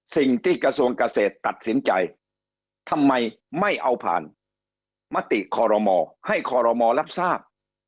สิ่งที่กระทรวงเกษตรตัดสินใจทำไมไม่เอาผ่านมติคอรมอให้คอรมอรับทราบ